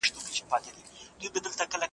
زما خاورین کورونه ډېر خوښیږې، خو داده یې نه منی.